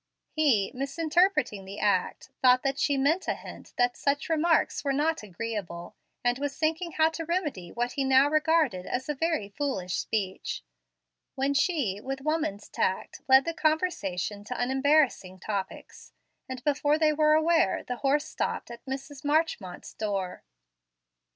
He, misinterpreting the act, thought that she meant a hint that such remarks were not agreeable, and was thinking how to remedy what he now regarded as a very foolish speech, when she, with woman's tact, led the conversation to unembarrassing topics, and before they were aware the horse stopped at Mrs. Marchmont's door.